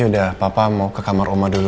yaudah papa mau ke kamar oma dulu